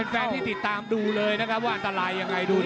แฟนที่ติดตามดูเลยนะครับว่าอันตรายยังไงดูดิ